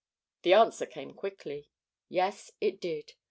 The answer came quickly. Yes, it did.